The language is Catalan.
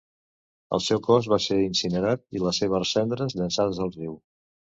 El seu cos va ser incinerat i les seves cendres llançades al riu.